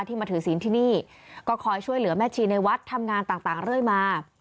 มาถือศีลที่นี่ก็คอยช่วยเหลือแม่ชีในวัดทำงานต่างเรื่อยมา